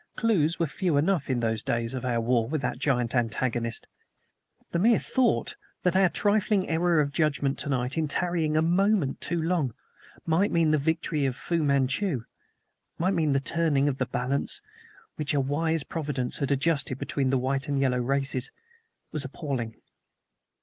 Clews were few enough in those days of our war with that giant antagonist. The mere thought that our trifling error of judgment tonight in tarrying a moment too long might mean the victory of Fu Manchu, might mean the turning of the balance which a wise providence had adjusted between the white and yellow races, was appalling.